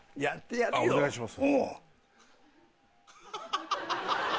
お願いします。